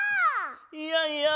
いやいや。